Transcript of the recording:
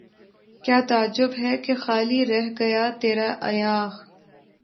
کیا تعجب ہے کہ خالی رہ گیا تیرا ایاغ